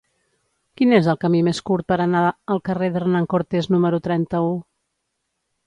Quin és el camí més curt per anar al carrer d'Hernán Cortés número trenta-u?